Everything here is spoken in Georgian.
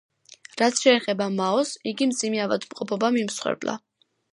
რაც შეეხება მაოს, იგი მძიმე ავადმყოფობამ იმსხვერპლა.